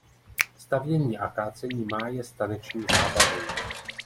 Stavění a kácení máje s taneční zábavou.